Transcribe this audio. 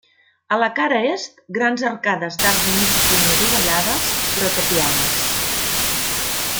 A la cara est, grans arcades d'arc de mig punt i adovellades, però tapiades.